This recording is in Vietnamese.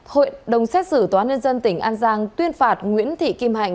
hội đồng xét xử tòa nhân dân tỉnh an giang tuyên phạt nguyễn thị kim hạnh